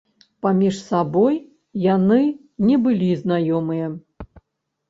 Паміж сабой яны не былі знаёмыя.